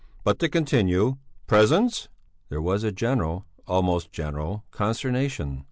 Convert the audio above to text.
But to continue: Presents...." There was a general almost general consternation.